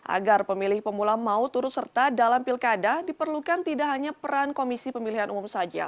agar pemilih pemula mau turut serta dalam pilkada diperlukan tidak hanya peran komisi pemilihan umum saja